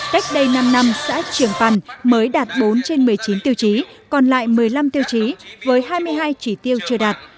cách đây năm năm xã trường pần mới đạt bốn trên một mươi chín tiêu chí còn lại một mươi năm tiêu chí với hai mươi hai chỉ tiêu chưa đạt